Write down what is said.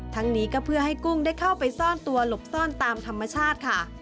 นี้ก็เพื่อให้กุ้งได้เข้าไปซ่อนตัวหลบซ่อนตามธรรมชาติค่ะ